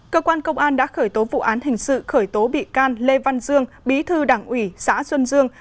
cơ quan công an đã khởi tố vụ án hình sự khởi tố bị can lê văn dương bí thư đảng ủy xã xuân dương